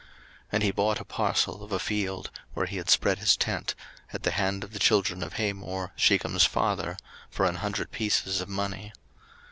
01:033:019 And he bought a parcel of a field, where he had spread his tent, at the hand of the children of Hamor, Shechem's father, for an hundred pieces of money.